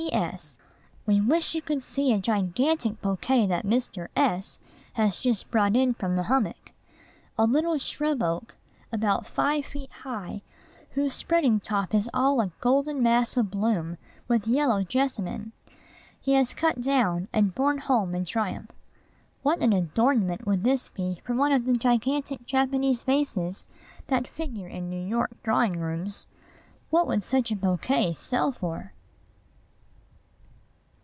P. S. We wish you could see a gigantic bouquet that Mr. S has just brought in from the hummock. A little shrub oak, about five feet high, whose spreading top is all a golden mass of bloom with yellow jessamine, he has cut down, and borne home in triumph. What an adornment would this be for one of the gigantic Japanese vases that figure in New York drawing rooms! What would such a bouquet sell for?